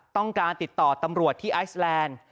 ต้องการติดต่อตำรวจที่ไอซแลนด์